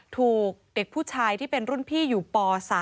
ถูกเด็กผู้ชายที่เป็นรุ่นพี่อยู่ป๓